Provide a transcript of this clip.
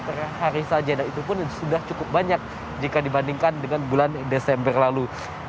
per hari saja dan itu pun sudah cukup banyak jika dibandingkan dengan bulan desember lalu